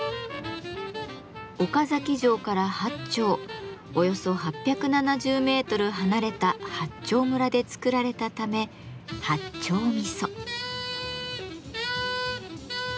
岡崎城から８丁およそ８７０メートル離れた八丁村で作られたため「八丁味噌」。